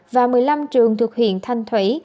và một mươi năm trường thuộc huyện thanh thủy